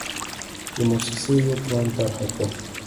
د موسسې یو پلان طرحه کړ.